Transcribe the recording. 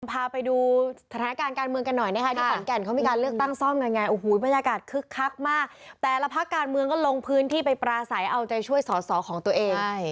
พาไปดูฐานการณ์การเมืองกันหน่อย